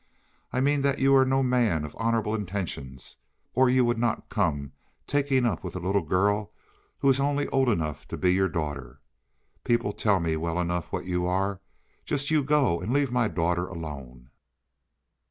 I mean that you are no man of honorable intentions, or you would not come taking up with a little girl who is only old enough to be your daughter. People tell me well enough what you are. Just you go and leave my daughter alone."